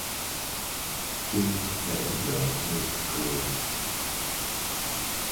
Trinh khẽ nhoẻn miệng cười